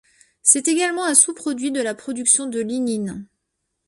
C'est également un sous-produit de la production de lignine.